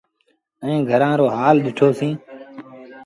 آئي گھرآݩ رو هآل ڏٺو سيٚݩ۔